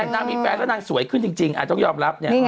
นางมีแฟนก็นางสวยขึ้นจริงอ้าวต้องยอมรับ